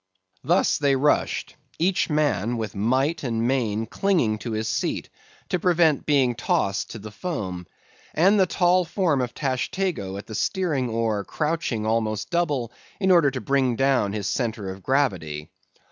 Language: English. Thus they rushed; each man with might and main clinging to his seat, to prevent being tossed to the foam; and the tall form of Tashtego at the steering oar crouching almost double, in order to bring down his centre of gravity.